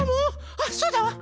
あっそうだわ。